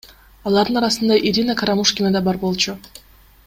Алардын арасында Ирина Карамушкина да бар болчу.